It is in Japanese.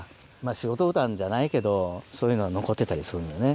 仕事歌じゃないけどそういうの残ってたりするんだよね。